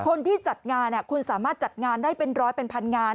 คนที่จัดงานคุณสามารถจัดงานได้เป็นร้อยเป็นพันงาน